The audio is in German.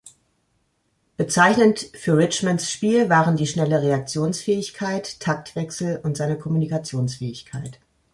Bezeichnend für Richmonds Spiel waren die schnelle Reaktionsfähigkeit, Taktwechsel und seine Kommunikationsfähigkeit.